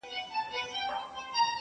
له دربار له تخت و تاج څخه پردۍ سوه.!